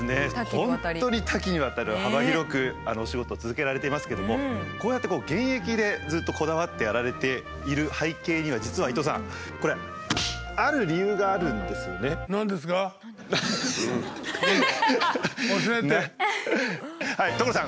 本当に多岐にわたる幅広くお仕事を続けられていますけどもこうやって現役でずっとこだわってやられている背景には実は伊東さんこれ所さん！